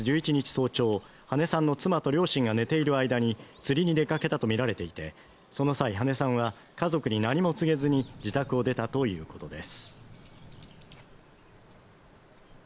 早朝羽根さんの妻と両親が寝ている間に釣りに出かけたとみられていてその際羽根さんは家族に何も告げずに自宅を出たということです